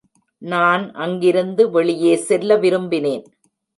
நான் அங்கிருந்து வெளியே செல்ல விரும்பினேன்.